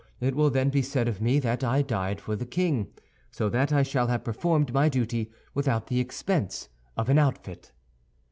It will then be said of me that I died for the king; so that I shall have performed my duty without the expense of an outfit."